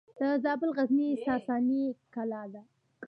د زابل غزنیې ساساني کلا ده